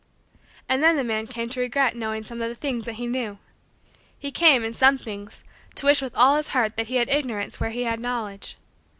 And then the man came to regret knowing some of the things that he knew. He came, in some things, to wish with all his heart that he had Ignorance where he had Knowledge.